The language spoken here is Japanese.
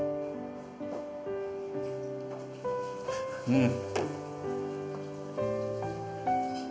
うん。